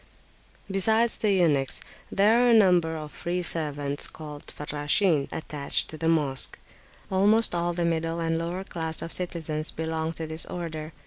Besides the eunuchs, there are a number of free servants, called Farrashin, attached to the Mosque; almost all the middle and lower class of citizens belong to this order.